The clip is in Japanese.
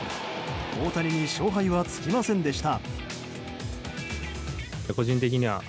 大谷に勝敗はつきませんでした。